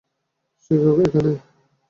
সে কি এখানে?